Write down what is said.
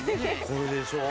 これでしょ？